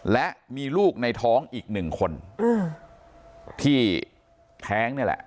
และมีลูกในท้องอีกหนึ่งคนที่แท้งนี่แหละ